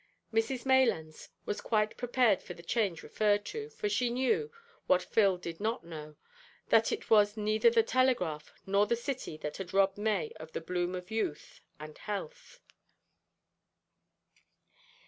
Mrs Maylands was quite prepared for the change referred to, for she knew, what Phil did not know, that it was neither the telegraph nor the City that had robbed May of the bloom of youth and health.